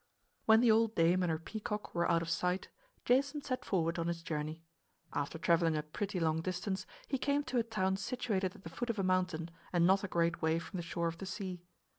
When the old dame and her peacock were out of sight Jason set forward on his journey. After traveling a pretty long distance he came to a town situated at the foot of a mountain and not a great way from the shore of the sea.